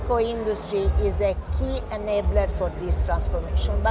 dan industri telkom adalah penyelenggara utama untuk perubahan ini